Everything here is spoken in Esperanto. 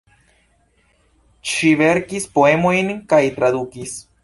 Ŝi verkis poemojn kaj tradukis.